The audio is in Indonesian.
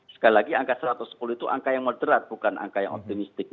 sekali lagi angka satu ratus sepuluh itu angka yang moderat bukan angka yang optimistik